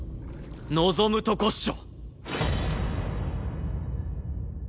望むとこっしょ！